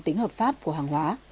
tính hợp pháp của hàng hóa